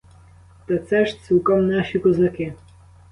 Та це ж цілком наші козаки!